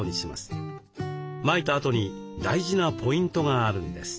まいたあとに大事なポイントがあるんです。